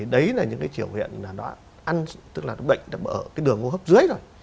đấy là những triệu hiện bệnh đã bởi đường hô hấp dưới rồi